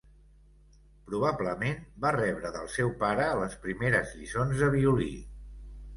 Probablement va rebre del seu pare les primeres lliçons de violí.